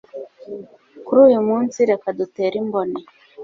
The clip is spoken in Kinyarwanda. kuri uyu munsi reka dutere imboni